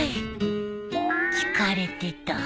聞かれてた